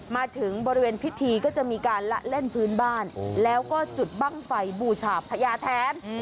มาถึงบริเวณพิธีก็จะมีการละเล่นพื้นบ้านแล้วก็จุดบ้างไฟบูชาพญาแทน